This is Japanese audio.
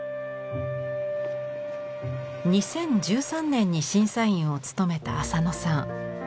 ２０１３年に審査員を務めた浅野さん。